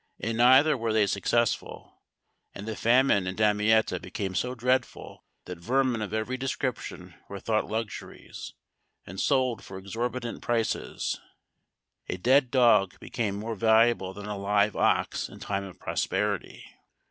In neither were they successful; and the famine in Damietta became so dreadful that vermin of every description were thought luxuries, and sold for exorbitant prices. A dead dog became more valuable than a live ox in time of prosperity.